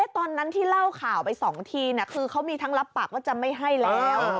ตอนนั้นที่เล่าข่าวไป๒ทีคือเขามีทั้งรับปากว่าจะไม่ให้แล้ว